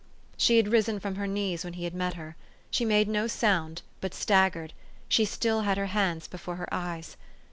She had risen from her knees when he met her. She made no sound, but staggered : she still had her hands before her eyes.